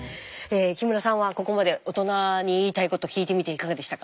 木村さんはここまで大人に言いたいこと聞いてみていかがでしたか？